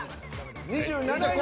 ２７位は。